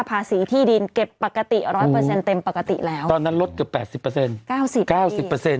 พาสีที่ดินเก็บปกติ๑๐๐เต็มปกติแล้วตอนนั้นลดเกือบ๘๐